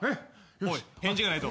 おい返事がないぞ。